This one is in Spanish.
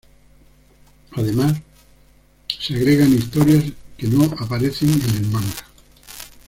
Además se agregan historias que no aparecen en el manga.